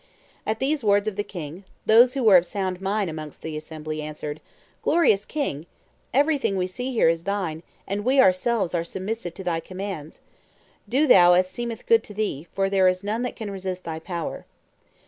At these words of the king, those who were of sound mind amongst the assembly answered, "Glorious king, everything we see here is thine, and we ourselves are submissive to thy commands. Do thou as seemeth good to thee, for there is none that can resist thy power."